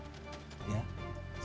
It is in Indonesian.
saya gak peduli dengan politik